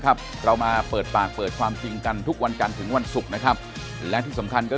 ครับผมแล้วก็ตื่นมากี่โมงครับพี่ว่าออกมาแล้วก็